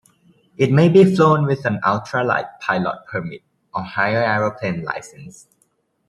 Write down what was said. It may be flown with an Ultra-light Pilot Permit or higher aeroplane licence.